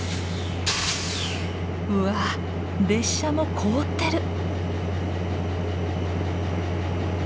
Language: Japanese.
うわ列車も凍ってる！